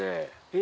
え！